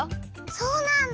そうなんだ！